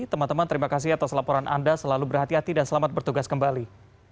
teman teman terima kasih atas laporan anda selalu berhati hati dan selamat bertugas kembali